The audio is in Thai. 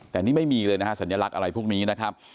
แต่นี่ไม่มีเลยนะฮะสัญลักษณ์อะไรพวกนี้นะครับ